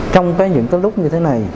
trong cái những cái lúc như thế này